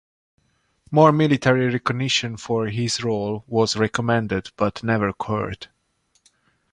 More military recognition for his role was recommended but never occurred.